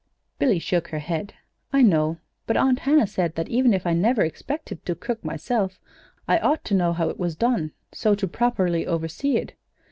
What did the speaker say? Billy shook her head. "I know; but Aunt Hannah said that even if I never expected to cook, myself, I ought to know how it was done, so to properly oversee it.